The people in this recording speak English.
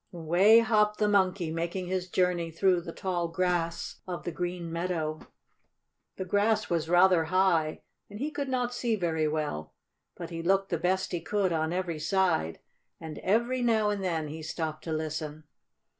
Away hopped the Monkey, making his journey through the tall grass of the green meadow. The grass was rather high, and he could not see very well. But he looked the best he could on every side, and, every now and then, he stopped to listen.